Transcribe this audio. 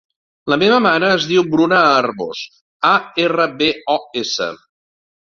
La meva mare es diu Bruna Arbos: a, erra, be, o, essa.